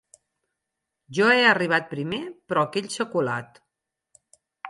Jo he arribat primer, però aquell s'ha colat.